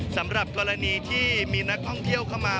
สำหรับกรณีที่มีนักท่องเที่ยวเข้ามา